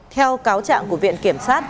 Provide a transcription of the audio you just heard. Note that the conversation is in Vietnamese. theo cáo trạng của viện kiểm soát